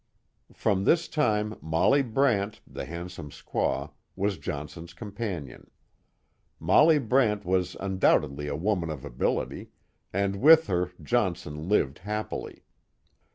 From this time Molly Brant, the handsome squaw, was Johnson's companion. Molly Brant was undoubtedly a woman of ability, and with her Johnson lived happily.